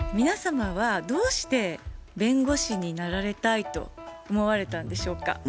皆様はどうして弁護士になられたいと思われたんでしょうか？